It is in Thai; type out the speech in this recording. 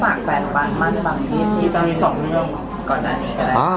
มีสองเรื่องก่อนหน้า